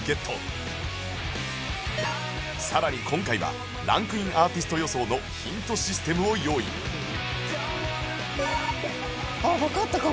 さらに今回はランクインアーティスト予想のヒントシステムを用意あっわかったかも。